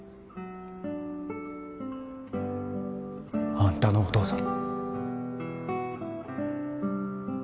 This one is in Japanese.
あんたのお父さん。